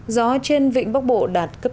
gió trên vĩnh bắc bộ đạt cấp chín